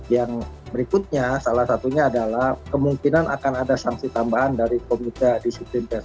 yang berikutnya salah satunya adalah kemungkinan akan ada sanksi tambahan dari komite disiplin